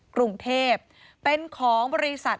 กรุงเทพเป็นของบริษัท